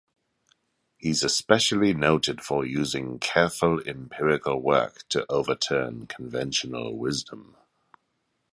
He's especially noted for using careful empirical work to overturn conventional wisdom.